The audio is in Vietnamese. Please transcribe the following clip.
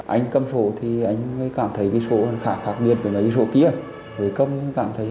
anh cầm sổ thì anh mới cảm thấy cái sổ khá khác biệt với cái sổ kia